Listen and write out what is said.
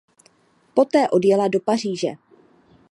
Poté odjela do Paříže.